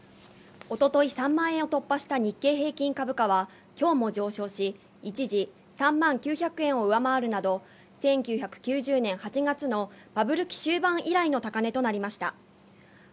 おととい３万円を突破した日経平均株価は今日も上昇し、一時３万９００円を上回るなど、１９９０年８月のバブル期終盤以来の高値となりました。